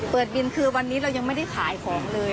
เปิดบินคือวันนี้เรายังไม่ได้ขายของเลย